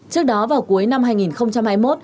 trước đó vào cuối năm hai nghìn hai mươi một